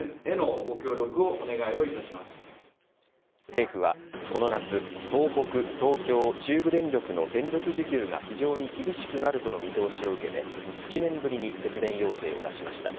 政府はこの夏東北・東京・中部電力の電力需給が非常に厳しくなるとの見通しを受けて７年ぶりに節電要請を出しました。